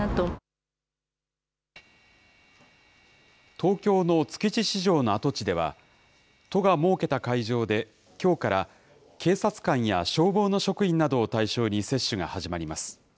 東京の築地市場の跡地では、都が設けた会場できょうから警察官や消防の職員などを対象に接種が始まります。